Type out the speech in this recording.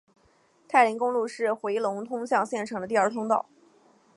太临公路是回龙通向县城的第二通道。